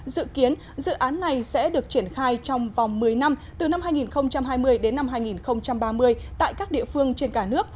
dự kiến dự án này sẽ được triển khai trong vòng một mươi năm từ năm hai nghìn hai mươi đến năm hai nghìn ba mươi tại các địa phương trên cả nước